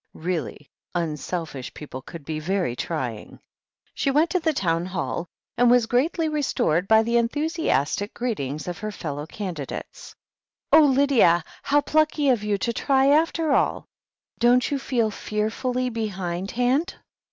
Really, unselfish people could be very trying. She went to the Town Hall, and was greatly restored by the enthusiastic greetings of her fellow candidates. "Oh, Lydia, how plucky of you to try, after all! Don't you feel fearfully behindhand?